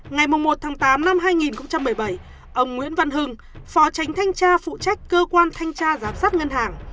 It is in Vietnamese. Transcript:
ngày một tám hai nghìn một mươi bảy ông nguyễn văn hưng phó tránh thanh tra phụ trách cơ quan thanh tra giám sát ngân hàng